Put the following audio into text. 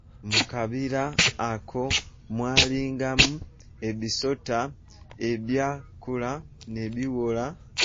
Mu kabira ako mwalingamu ebisota ebyakula ne biwola.